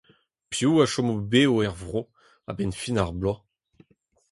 Piv a chomo bev er vro a-benn fin ar bloaz ?